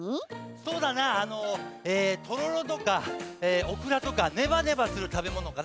そうだな「とろろ」とか「おくら」とかねばねばするたべものかな。